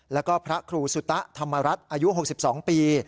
แล้วก็พระครูสุตะธรรมรัฐอายุ๖๒ปี